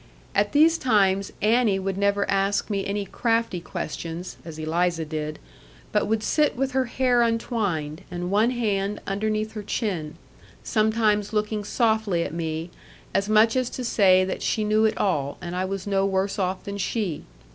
At these times Annie would never ask me any crafty questions (as Eliza did), but would sit with her hair untwined, and one hand underneath her chin, sometimes looking softly at me, as much as to say that she knew it all and I was no worse off than she.